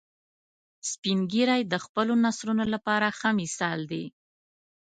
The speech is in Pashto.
سپین ږیری د خپلو نسلونو لپاره ښه مثال دي